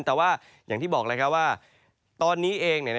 แต่ว่าอย่างที่บอกแล้วว่าตอนนี้เอง